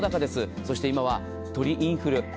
そして今は鳥インフル。